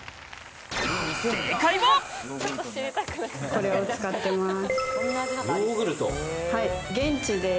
これを使ってます。